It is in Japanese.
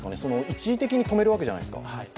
一時的に止めるわけじゃないですか。